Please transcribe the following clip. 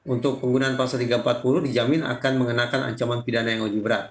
untuk penggunaan pasal tiga ratus empat puluh dijamin akan mengenakan ancaman pidana yang lebih berat